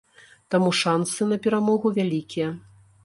Таму шансы на перамогу вялікія.